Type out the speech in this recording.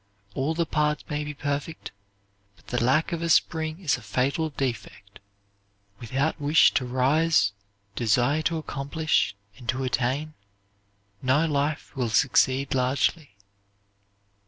All the parts may be perfect, but the lack of a spring is a fatal defect. Without wish to rise, desire to accomplish and to attain, no life will succeed largely.